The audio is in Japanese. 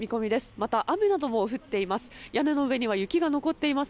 また雨なども降っています。